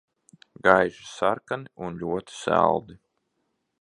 Gaiši sarkani un ļoti saldi.